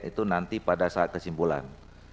itu nanti pada saat kesimpulan